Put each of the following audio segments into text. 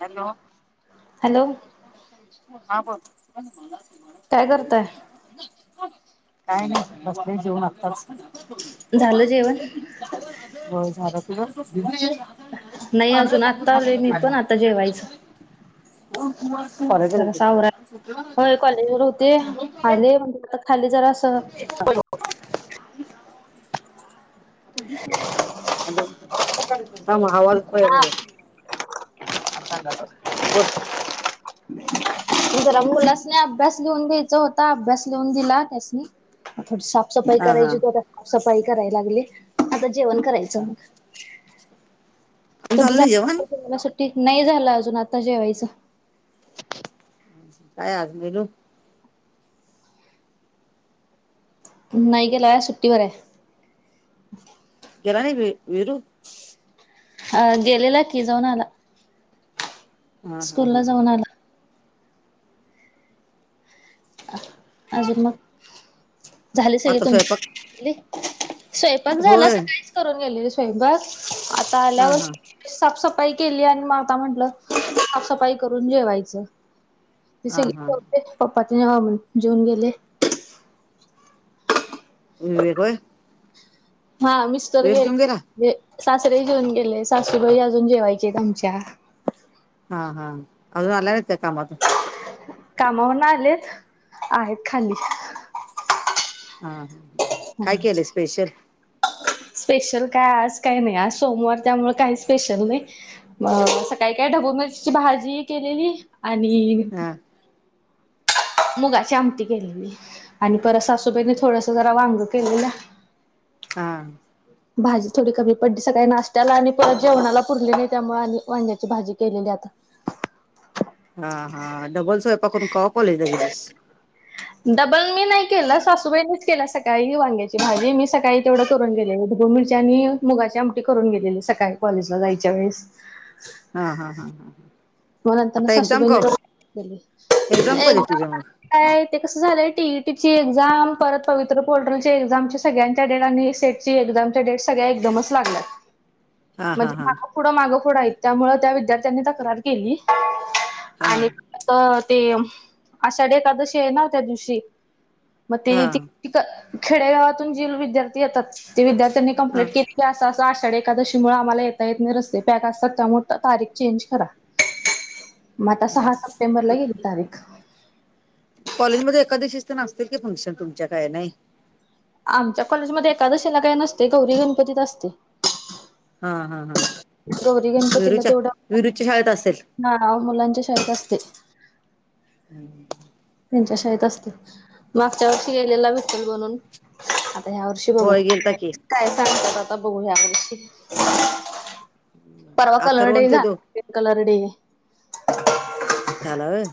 Hello hello हा ब काय करताय काय नाही कसले जेऊ नकतात झालं जेवण हो झा नाही अजून आत्ता आले मी पण आता जेवायचं तुम्हा जरा सावरा हो कॉलेज वर होते आले म्हणजे आता खाली जरा प थांब हावा हो आधंगाच बोल जरा मुलासने अभ्यास लिहून द्यायचा होता अभ्यास लिहून दिला त्यासनी थोडी साफसफाई हा हा करायची हो तरता साफसफाई करायला लागली आता जेवण करायचं मग झालं नाही जेवण तुमचंेला सुट्टी नाही झालं अजून आता जेवायचं काच मरू नाही गेला छु्टी वर किराणी वरू अ गेलेला की जाऊनला हम हम हम ह जाऊन आला बर अजून मग झाली सगळे आता स्वयंपाक तुमची स्वयंपाक झाला होय सकाळीच करून गेले स्वयंपाक आता हा आल्यावर हा साफसफाई केली आणि म आता म्हंटलं साफसफाई करून जेवायचं हा हा ति पप्पाचे ना जेऊन गेले ववेकय हा मिस्टर जेऊन गेला गेले सासरे जेऊन गेले सासूबाई अजून जेवायचे आमच्या हा हा अ नला र इेत कामत कामाहून आले आहेत खाली हा ह काय केलंय स्पेशल स्पेशल काय आज काही नाही आज सोमवार त्यामुळे काही स्पेशल नाही अ सकाळी काही ढबू मिरची भाजी केलेली आणि ह मुगाची आमटी केली आणि परत ससूबाईने थोडस जरा वांग केले ना हा भाजी थोडी कमी पडली सकाळी नाश्त्याला आणि जेवणाला पुरली नाही त्यामुळे आणि वांड्याची भाजी केलेली आता हा हा डबल स्वयंपाक करून क कॉलेजला गेलीस डबल मी नाही केलं सासूबाईनीच केला सकाळी वांग्याची भाजी मी सकाळी तेवढं ून गेले ग मिरच्या आणि मुगाची आमटी करून गेलेले सकाळी कॉलेजला ला जायच्या वेळेस हा हा हा हा ह मलांतरना सासूबाहिणी पली एक्झाम कधी एक तुझ्या मग काय ते कसं झालंय टीईटी ची एक्झाम परत पवित्र पोर्टल एक्झाम सगळ्यांच्या डेटाने सेट एझम डेट सगळ्या एकदमच लागल्या हा हा म्हणजे हा माग पुुडं मागं पुुडं आहेत त्यामु त्या विद्यार्थ्यांनी तक्रार केली हा आणि आता ते आषाढी एखादशी आहे ना त्या दिवशी मग ते हा त खेडेगावातून जे विद्यार्थी येतात ते विद्यार्थ्यांनी हा कमप्लीट केली अस असं आठ साडे एकादशी मु आम्हाला येता येत नाही रस्ते पॅक असतात त्यामुळे तारीख चेंज करा मग आता सहा सप्टेंबरला येत जावे कॉलेजमध्ये एखकादवशी तर नासतील की फंक्शन तुमच्या काय नाही आमच्या कॉलेजमध्येध्ये एकादशी याला काही नसते गौरी गणपतीत असते हा हा हा गौरी विरुच्या विरुच्या शाळेत असेल ह मुलांच्या शाळेत असते हम् त्यांच्या शायेत असते मागच्या वर्षी गेलेला विठ्ठल बनून या वर्षी बघू होय गेलता की काय सांगतात आता बघू या वर्षी परवा कलर अथर्वण डे ते झाला दो प कलर डे ह्या व्हाय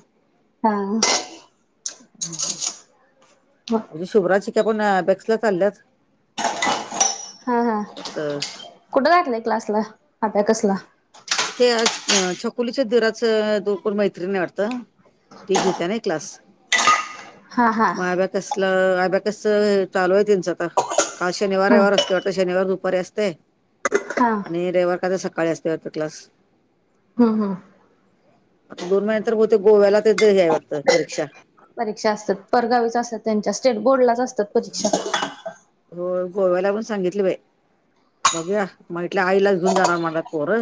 हा म्हणे हा शुवराज शिका पण बेक्सला चालल्यात हा हा परत कुठं राातलंय क्लासला आता कसला ते छकोलीच्या दधराच दुरर मैत्रीिणी वाटत तीघी त्या नाही क्लास. हा हा मग आब्या कसला आब्याकस चालू आहे त्यांचं आता काल शनिवार हा एवार असत. तेवता शनिवार दुपारी असते हा आणि रविवार कादा सकाळी असतेवरता क्लास. हम् हम्. आता दोन महिने नंतर बहुतेक गोव्याला ते यायवटतं परीक्षा परीक्षा असतात परगावीच असतात त्यांच्या स्टेट बोर्ड लाच असतात परीक्षा हो गोव्या लागून सांगितली बा. बघूया म्हटले आईलाच घेऊन जाणार माझ पोर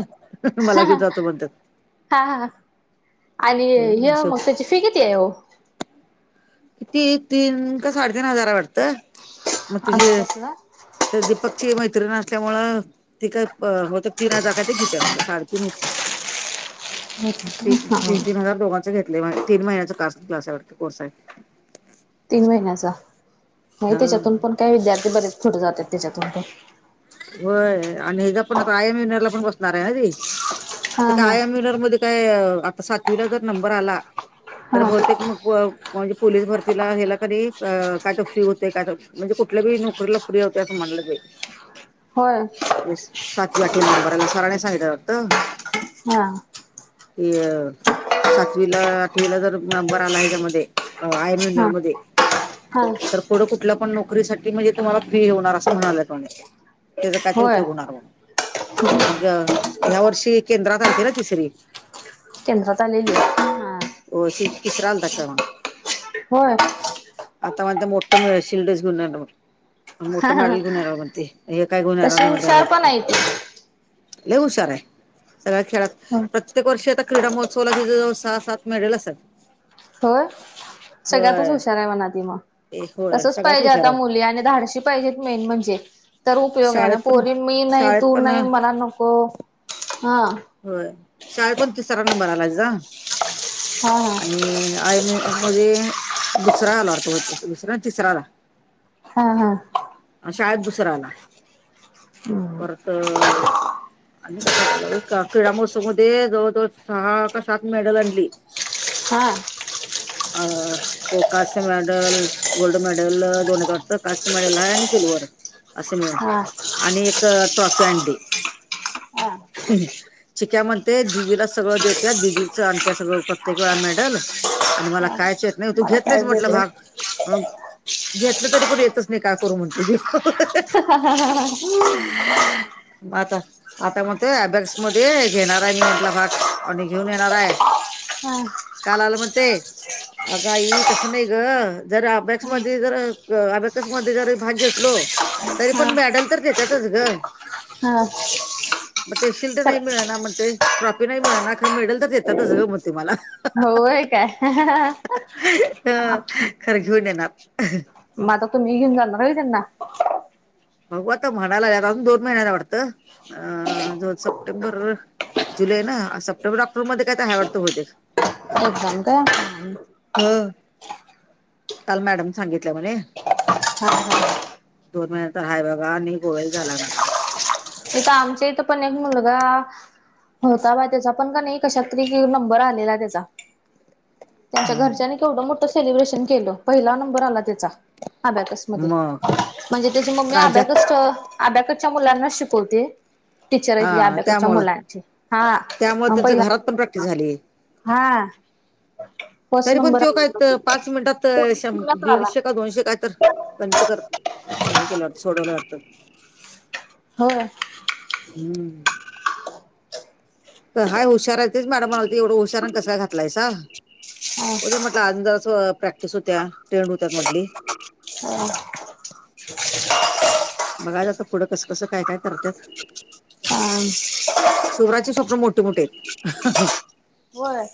मला घेऊन जातो म्हणत. हा हा आणि म्हणतात य शेव मग त्याची फी किती आहे हो. किती तीन का साडेतीीन हजार वाटतं मग तिचे अभ्यासला तर दीपकची मैत्रिण असल्यामूळ त का होत तीन हजार काय ते घेते वाटतं साडेतीन होते. [inaudible] ती हा तीन तीन हजार दोघांचे घेतले तीन महिन्याच क्लासावरती कोर्स आहे. तीन महिन्याचा नाही हा त्याच्यातून पण काय विद्यार्थी बरेच पुुढे जातात त्याच्यातून पण होय आणि हचा पण आता आय एम यनरला पण बसणार आहे ना री आता हा का हा आय एम यनर मध्ये काय आता सातवीला जर नंबर आला तर हा बहूतेक मग म्हणजे पोलीस भरतीला हला कधी काय तर फ्री होते काय म्हणजे कुठल्या बी नोकरीला फ्री होते असं म्हणलं ते होय. सातवी आठवीला नंबरला साराने सांगितल होत. हा. ह. सातवीला आठवीला जर नंबर आला हच्यामध्ये आय मनर हा मध्ये हा. तर पुढं कुठल्या पण नोकरीसाठी म्हणजे तुम्हाला फ्री होणार असं म्हणालं म्हने. त्याचा काय तर होय उपयोग होणार म्हणून मग ह्या वर्षी केंद्रात आलते ना ति सगळी केंद्रात आलेली. हो त तिसरा आल्या क्रमांक करवग हो. आता म्हण मोठ म शिल्डस घेऊन ये मोठं मेडल घेऊन ये म्हण ते हे काय गुन तशी नाही मध्ये हुशार पण आहे ती लय हुशार आहे सगळ्या खेळातत. प्रत्ये वर्षी आता क्रीडा महोत्सला तिच्या जवळ सहा सात मेडल असतात. होय सगळ्यातच होय हुशार आहे म्हणा त मग ते होय तसच सगळ्यात पाहिजे हुशार आता आहे. मुली आणि धाडशी पाहिजेत मेन म्हणजे तर उपयोग आहे ना शाळेत पण पोरी मी नाही शाळेत तू पण नाही मला नको. हा. होय शाळेत पण तिसरा नंबर आलाय जा हा आणि आई मी मध्ये दुसरा आला अर्थ दुसरा तिसरा आला. हा हा. शाळेत दुसरा आला. [unintelligible] तर आम्ही कशात आला हो क्रीडा महोत्सव मध्ये जवळजवळ सहा का सात मेडल आणली हा. अ त कास्य मेडल गोल्ड मेडल दोन्तं कास्य मेडल ह आणि सिल्वर असे म हा आणि एक ट्रॉफी आणडी हा हम् शिक्या म्हणते दिदीला सगळं देते दिदीच आणत्या सगळं प्रत्येक वेळा मेडल आणि मला हा कायच येत नाही तू मला घेत नाहीच काय म्हटलं दिलं भाग अ घेतलं तरी पण येतच नाही का करू म्हणते त हाहाहा. मग आता मग ते अब मध्ये घेणार आहे मी म्हटला भाग आणि घेऊन येणार आहे हम्. काल आलं मग ते अग आई तसं नाही ग जर अबॅकस मध्ये जर अ अबॅकस मध्ये भाग घेतलो तरी पण मॅडल तर देतातच ग हम. मग ते शिल्ड नाही मिळणार मग ते ट्रॉफी नाही मिळणार खर मेडल तरच देतातच ग मग ते मला. होय काय [unintelligible] खरं घेऊन येणार मग आता तुम्ही घेऊन जाणार का त्यांना बघू आता म्हणायला अजून दोन महिन्याना वाटतं अ दोन सप्टेंबर जुलै ना सप्टेंबर ऑक्टोबर मध्ये काहीतरी आहे बहुतेक. एक घणता [unintelligible] हं काल मॅडम सांगितलं म्हणे हम् [inaudible] दोन महिन तर हाय बाबा आणि गोवल झाला लागणार इथ आमचा इथं पण एक मुलगा होता बा त्याचा पण का नाही कशात तरी नंबर आलेला त्याचा. त्यांच्या हा हा. घरच्यांनी केवढं मोठं सेलिब्रेशन केलं पहिला नंबर आला त्याचा अबॅकस मध्ये मग म्हणजे त्याची मम्मी राज्यात अबॅकस च्या मुलांना शिकवते टीचर आहेत या हा अबकसच्या त्यामुळं मुलांची हा त्यामुळे त्यांच पहिला घरात पण प्रॅक्टिस [inaudible] झाली. हा फर्स्ट तरी पण नंबर तो आला काय पाच मिनिटात पुण्यात आला. दीडशे का दोनशे काय तर पंत कर हे के सोडवला वाटतं हो. हम्म. हाय हुशार आहे तेच मॅडम म्हणाली होति एवढं हुशार कसकाय घातलायस आ अंद प्रॅक्टिस होत्या ट्रेंड होत्या मधली [inaudible] बघाय जातं पुढं कसं कसं काय काय करत्यात. शवराचे स्वप्न मोठे मोठे आहेत. [unintelligible] होय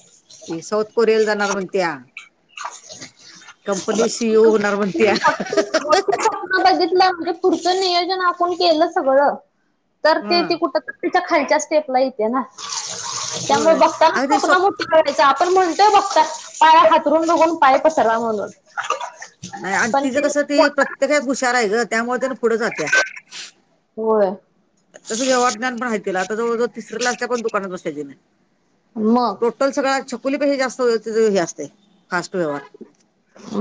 ते साऊथ कोरियाला जाणार म्हणत्या. [unintelligible] [inaudible] कंपनी सी ई ओ होणार म्हणत्या. बघितलं म्हणजे पुढचं नियोजन आपण केलं सगळं तर ते हा. त कुठ तिच्या खालच्या स्टेपला येते ना त्यामुळे होय बघताना अग ते स्वप्न सोप करायच आपण म्हणतोय बघता पाया हातरून बघून पाय पसरवा म्हणून नाही आणि पण तिचं ते कसं ती प्रत्येकाात हुशार आहे ग त्यामुळे त्या पुढं जात्या हो त्याचं व्यवहार ज्ञान पण आहे तिला जवळव तिसऱ्या ला असल्या पण दुकानात बसय मग तो तर सगळ्या चछकुली पै जास्त हे असते फास्ट व्यवहार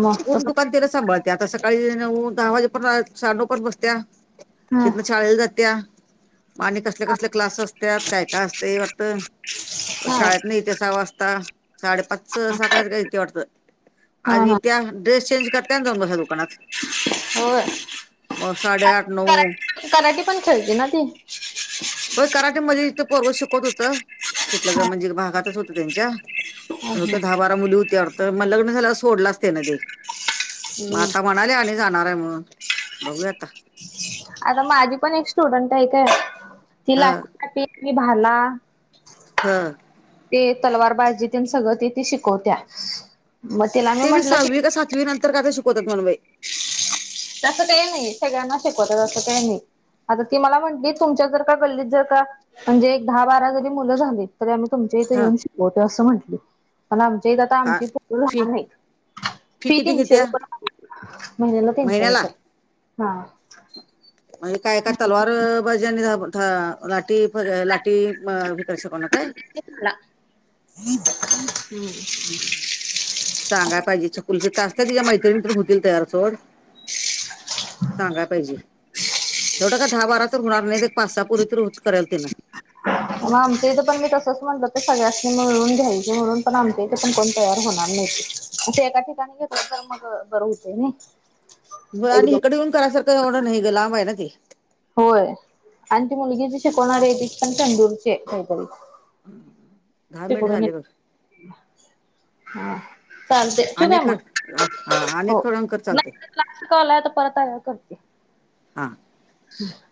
मग कोण तस दुकान तरा सांभत त्या आता सकाळी नऊ दहा वाजे पण साडे नऊ पण बसत्या हा तिथन शाळेला जात्या आणि कसले कसले क्लास असत्यात काय काय असते वरत हा शाळेत नाही तसहा वाजता साडे पाच स सगळ्या गैते वाटतं हा आणि हा त्या ड्रेस चेंज करताय आण जाऊन बसत्यात दुकानात. हो. मग साडेआठ नऊ कराट पण खेळते ना ती हो कराटेमध्येध्ये इथ पर्व शिकवत होत तिथलं म्हणजे भागातच होत त्यांच्या त्या दहा बारा मुली होती अर्थ मग लग्न झाल्या सोडला असते ना ते माता म्हले आणि जाणार आहे म्हणून बघूया आता आता माझी पण एक स्टुडंट आहे काय ती ह लाट लाटी भाला हा. ते तलवार बाजीतील सगळं तेथे शिकवत्या. म ला ते मी सहावी का सातवी नंतर का ते शिकवतात मनबई तसं ते नाही सगळ्यांना शिकवत तसं ते नाही. आता ती मला म्हटली तुमच्या जर का गल्लीत जर का म्हणजे एक दहा बारा जरी मुलं झाली. तरी आम्ही तुमच्या इथे ह येऊन शिकवतो असं म्हटली पण आमच्या इथे आता का आमची प फी लहान नाहीत. फी किती तीनशे घेत्या रुपय महिन्याला तीनशे. रुपये हा. म्हणे काय काय तलवार भाजनी लाटठी लाटठी विकार शकना काय ला. सांगाय पाहिजे चकुल तस्त तिच्या मैत्रिणीत होतील तयार सोड. सांगा पाहिजे. तेवढं का दहा बारा तर होणार नाही पाच सहा पुूरी तरी होत करेल तिं ह. मग आमच्या इथं पण मी तसंच म्हणल ते सगळ्यांनी मिळून घ्यायचे म्हणून पण आमच्या इथे पण कोण तयार होणार नाही. ते एका ठिकाणी घेतलं तर मग बर होते नाही. ग आणि एकदम इिकडे येऊन करायसारखं होणार नाही ग लांब आहे ना ते होय आणि ती मुलगी जी शिकवणार आहे ती पण तंदूरचे काहीतरी दहा मिनिट तेून झाले बघ हा. चालते चू काय अनेक कर, मग हा हो अनेक थोडं अंकर चालते नाही कलाय तर परतयार करते हां हम्